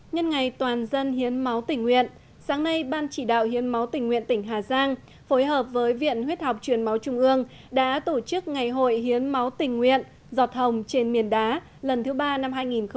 nhân ngày toàn dân hiến máu tỉnh nguyện sáng nay ban chỉ đạo hiến máu tỉnh nguyện tỉnh hà giang phối hợp với viện huyết học truyền máu trung ương đã tổ chức ngày hội hiến máu tình nguyện giọt hồng trên miền đá lần thứ ba năm hai nghìn một mươi chín